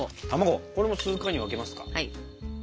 これも数回に分けますか？